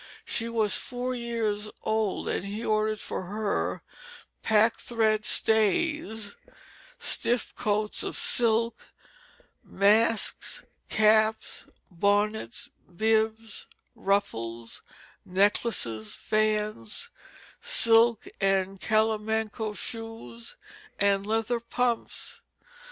She was four years old, and he ordered for her, pack thread stays, stiff coats of silk, masks, caps, bonnets, bibs, ruffles, necklaces, fans, silk and calamanco shoes, and leather pumps.